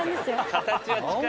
形は近い。